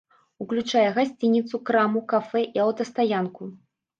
Уключае гасцініцу, краму, кафэ і аўтастаянку.